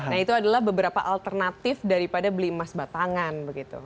nah itu adalah beberapa alternatif daripada beli emas batangan begitu